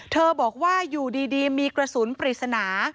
บอกว่าอยู่ดีมีกระสุนปริศนา